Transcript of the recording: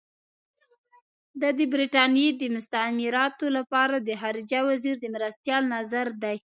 دا د برټانیې د مستعمراتو لپاره د خارجه وزیر د مرستیال نظر دی.